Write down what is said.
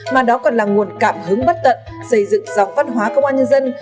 mà đó còn là nguồn cảm hứng bất tận xây dựng dọc văn hóa công an nhân dân